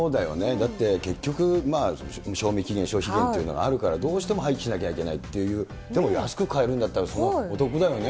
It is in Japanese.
だって結局、賞味期限、消費期限っていうのがあるから、どうしても廃棄しなきゃいけないっていう、でも安く買えるんだったら、お得だよね。